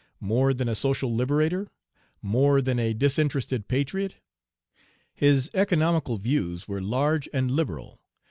more than a social liberator? more than a disinterested patriot? His economical views were large and liberal.